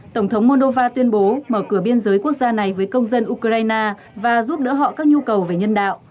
tổng thống moldova tuyên bố mở cửa biên giới quốc gia này với công dân ukraine và giúp đỡ họ các nhu cầu về nhân đạo